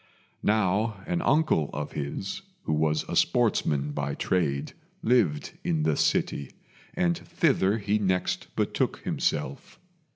Now an uncle of his, who was a sportsman by trade, lived in the city, and thither he next betook himself.